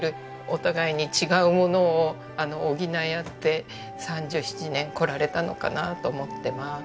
お互いに違うものを補い合って３７年こられたのかなと思ってます。